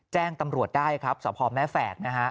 แจ้งตำรวจได้ครับสพแม่แฝกนะฮะ